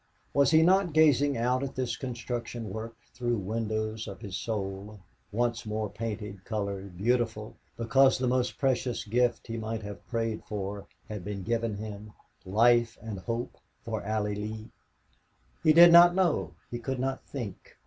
Was he not gazing out at this construction work through windows of his soul, once more painted, colored, beautiful, because the most precious gift he might have prayed for had been given him life and hope for Allie Lee? He did not know. He could not think.